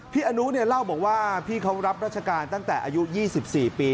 พี่อนุเนี่ยเล่าบอกว่าพี่เขารับราชการตั้งแต่อายุ๒๔ปี